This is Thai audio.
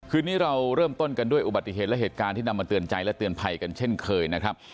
คืนนี้เราเริ่มต้นกันด้วยอุบัติเหตุและเหตุการณ์ที่นำมาเตือนใจและเตือนภัยกันเช่นเคยนะครับ